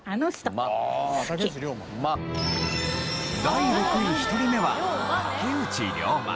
第６位１人目は竹内涼真。